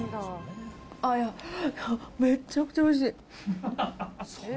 いや、めっちゃくちゃおいしい。